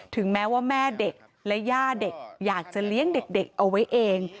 ถึงแม้ว่าแม่เด็กและย่าเด็กอยากจะเลี้ยงเด็กเอาไว้เอง